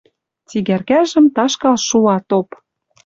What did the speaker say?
Цигӓркӓжӹм ташкал шуа топ.